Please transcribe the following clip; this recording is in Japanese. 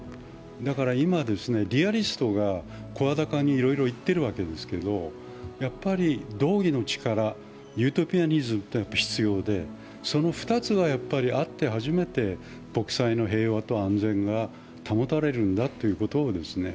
今、リアリストが声高にいろいろ言っているわけですけれども、道義の力、ユートピアニズムが必要で、その２つがあって初めて国際の平和と安全が保たれるんだということを。